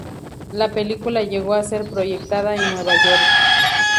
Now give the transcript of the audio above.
La película llegó a ser proyectada en Nueva York.